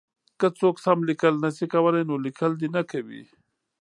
که څوک سم لیکل نه شي کولای نو لیکل دې نه کوي.